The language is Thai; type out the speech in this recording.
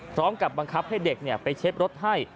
พร้อมกับบังคับให้เด็กไปเช็บรถให้